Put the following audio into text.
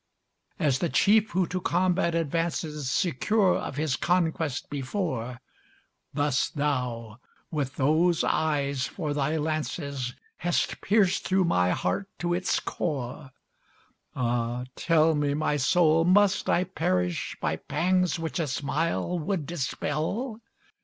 As the chief who to combat advances Secure of his conquest before, Thus thou, with those eyes for thy lances, Hast pierced through my heart to its core. Ah, tell me, my soul, must I perish By pangs which a smile would dispel?